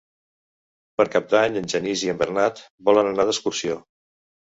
Per Cap d'Any en Genís i en Bernat volen anar d'excursió.